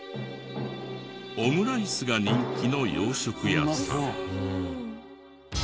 オムライスが人気の洋食屋さん。